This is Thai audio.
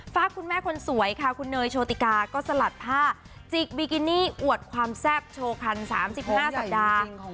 ฝากคุณแม่คนสวยค่ะคุณเนยโชติกาก็สลัดผ้าจิกบิกินี่อวดความแซ่บโชว์คัน๓๕สัปดาห์